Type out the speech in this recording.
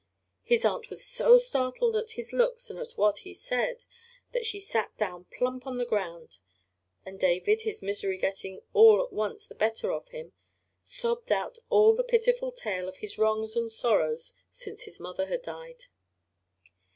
His aunt was so startled at his looks and at what he said, that she sat down plump on the ground; and David, his misery getting all at once the better of him, sobbed out all the pitiful tale of his wrongs and sorrows since his mother had died.